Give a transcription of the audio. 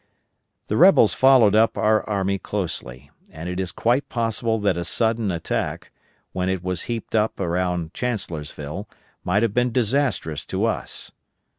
The rebels followed up our army closely, and it is quite possible that a sudden attack, when it was heaped up around Chancellorsville, might have been disastrous to us.